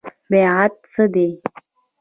بیعت څه دی؟